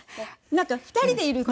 なんか２人でいると。